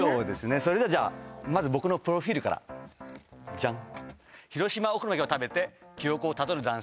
それではじゃあまず僕のプロフィールからジャン